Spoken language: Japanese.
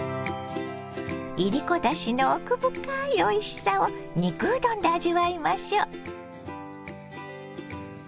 いりこだしの奥深いおいしさを肉うどんで味わいましょう。